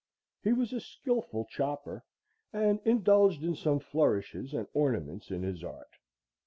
He was a skilful chopper, and indulged in some flourishes and ornaments in his art.